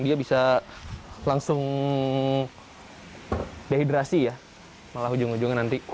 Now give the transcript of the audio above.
dia bisa langsung dehidrasi ya malah ujung ujungnya nanti